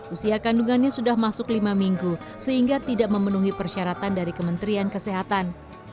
usia kandungannya sudah masuk lima minggu sehingga tidak memenuhi persyaratan dari kementerian kesehatan